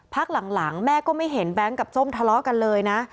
พักหลังแม่ก็ไม่เห็นแบงค์กับส้มทะเลาะกันเลยนะ